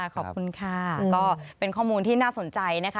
ขอบคุณค่ะก็เป็นข้อมูลที่น่าสนใจนะคะ